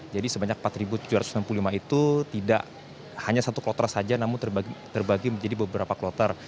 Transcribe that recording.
jadi sebanyak empat tujuh ratus enam puluh lima itu tidak hanya satu kloter saja namun terbagi menjadi beberapa kloter